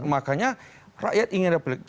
makanya rakyat ingin ada pilihan